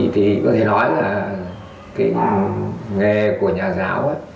thì có thể nói là cái nghề của nhà giáo ấy